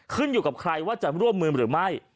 อยู่กับใครว่าจะร่วมมือหรือไม่